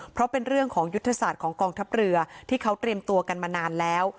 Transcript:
เพราะเป็นเรื่องของยุทธศาสตร์ของกองทัพเรือที่เขาเตรียมตัวกันมานานแล้ว